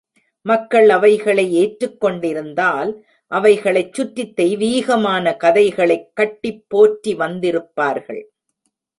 மக்கள் அவைகளை ஏற்றுக்கொண்டிருந்தால், அவைகளைச் சுற்றித் தெய்வீகமான கதைகளைக் கட்டிப் போற்றி வந்திருப்பார்கள்.